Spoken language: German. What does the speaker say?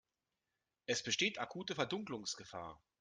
Es besteht akute Verdunkelungsgefahr.